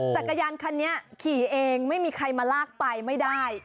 จักรยานคันนี้ขี่เองไม่มีใครมาลากไปไม่ได้